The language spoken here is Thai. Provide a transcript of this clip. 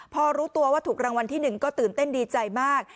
พอรู้ตัวว่าถูกรางวัลที่๑ก็ตื่นเต้นดีใจมาก